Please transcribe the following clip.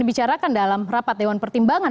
dibicarakan dalam rapat dewan pertimbangan